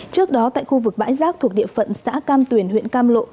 trước đó tại khu vực bãi giác thuộc địa phận xã cam tuyển huyện cam lộ